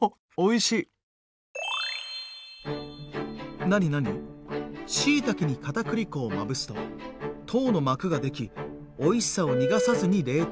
「しいたけに片栗粉をまぶすと糖の膜が出来おいしさを逃がさずに冷凍できる」。